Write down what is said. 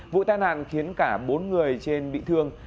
vụ tai nạn khiến cả bốn người trên bị thương